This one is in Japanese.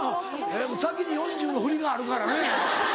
先に４０のふりがあるからね。